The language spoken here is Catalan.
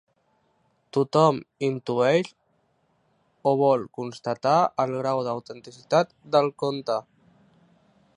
Tothom intueix o vol constatar el grau d'autenticitat del conte.